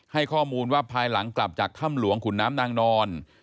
ให้ข้อมูลว่าภายหลังกลับจากถ้ำหลวงขุนน้ำนางนอน